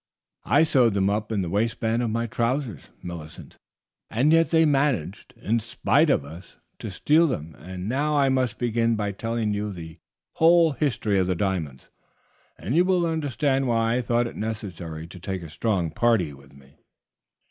"I sewed them up in the waistband of my trousers, Millicent, and yet they managed, in spite of us, to steal them. And now I must begin by telling you the whole history of those diamonds, and you will understand why I thought it necessary to take a strong party with me."